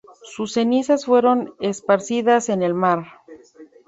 Sus cenizas fueron esparcidas en el mar.